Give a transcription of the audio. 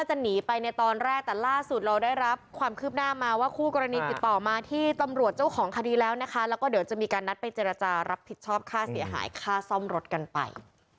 ทำยังไงอะเจ็บถึงตายอะทำยังไง